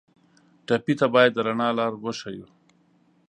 ټپي ته باید د رڼا لار وښیو.